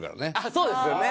そうですね。